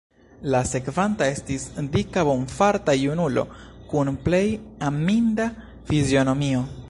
La sekvanta estis dika bonfarta junulo, kun plej aminda fizionomio.